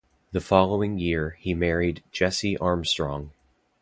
The following year he married Jessie Armstrong.